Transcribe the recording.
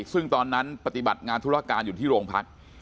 ซึ่งตอนนั้นปฏิบัติงานธุรการอยู่ที่โรงพัก